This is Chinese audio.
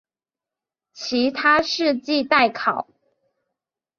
其他事迹待考。